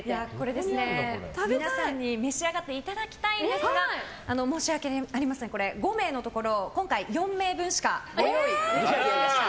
皆さんに召し上がっていただきたいんですが申し訳ありません、５名のところ今回、４名分しかご用意できませんでした。